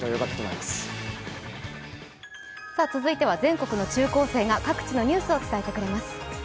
続いては全国の中高生が各地のニュースを伝えてくれます。